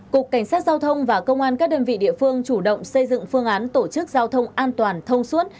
cục cảnh sát giao thông và công an các đơn vị địa phương chủ động xây dựng phương án tổ chức giao thông an toàn thông suốt